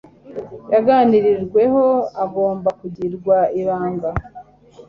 yaganiriweho agomba kugirwa ibanga